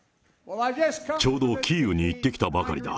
ちょうどキーウに行ってきたばかりだ。